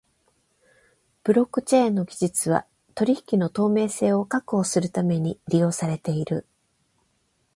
ブロックチェーン技術は取引の透明性を確保するために利用されている。